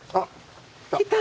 来た？